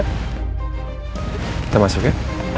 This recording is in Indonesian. kita masuk ya